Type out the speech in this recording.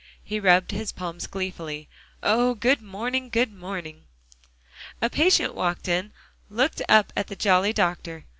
He rubbed his palms gleefully. "Oh! good morning, good morning!" A patient walking in, looked up at the jolly little doctor.